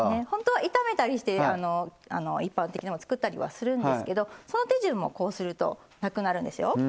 ほんとは炒めたりして一般的なの作ったりはするんですけどその手順もこうするとなくなるんですよ。